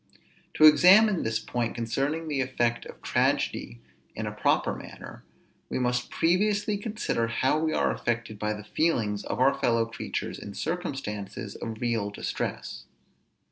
To examine this point concerning the effect of tragedy in a proper manner, we must previously consider how we are affected by the feelings of our fellow creatures in circumstances of real distress.